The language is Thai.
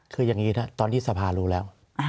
คืออย่างนี้นะตอนที่สภารู้แล้ว